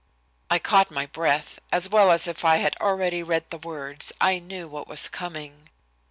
I caught my breath. As well as if I had already read the words, I knew what was coming.